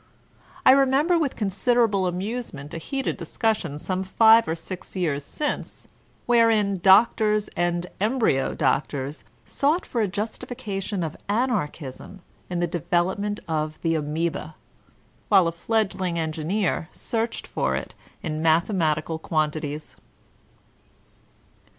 I remember with con siderable amusement a heated discussion some five or six years since, wherein doctors and embryo doctors sought for a justification of Anarchism in the develop ment of the amoeba, while a fledgling engineer searched for it in mathematical quantities.